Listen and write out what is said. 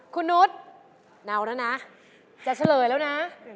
คุณนุษย์เอาแล้วนะจะเฉลยแล้วนะ